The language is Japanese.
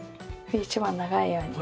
一番長いようにね。